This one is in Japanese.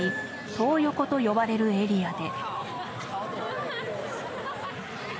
トー横と呼ばれるエリアで。